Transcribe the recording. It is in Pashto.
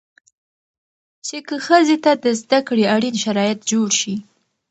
چې که ښځې ته د زده کړې اړين شرايط جوړ شي